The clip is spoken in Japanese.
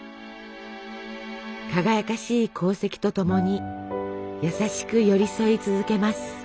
輝かしい功績とともに優しく寄り添い続けます。